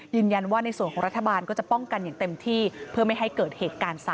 ยืนยันว่าในส่วนของรัฐบาลก็จะป้องกันอย่างเต็มที่เพื่อไม่ให้เกิดเหตุการณ์ซ้ำ